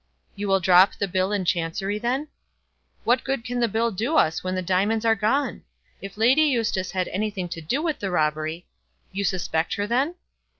"You will drop the bill in Chancery then?" "What good can the bill do us when the diamonds are gone? If Lady Eustace had anything to do with the robbery " "You suspect her, then?"